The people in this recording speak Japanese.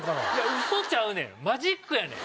ウソちゃうねんマジックやねん。